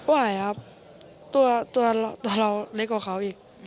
ไหวครับตัวเราเล็กกว่าเขาอีก